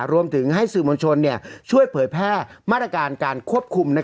รวมถึงให้สื่อมวลชนช่วยเผยแพร่มาตรการการควบคุม